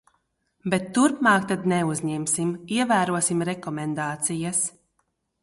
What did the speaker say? Bet turpmāk tad neuzņemsim, ievērosim rekomendācijas.